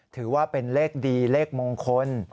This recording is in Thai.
ถือว่าเป็นเลขดีเลขมงคล